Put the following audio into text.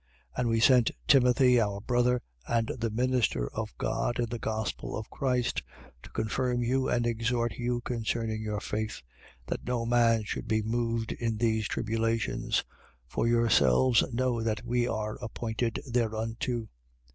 3:2. And we sent Timothy, our brother and the minister of God in the gospel of Christ, to confirm you and exhort you concerning your faith: 3:3. That no man should be moved in these tribulations: for yourselves know that we are appointed thereunto.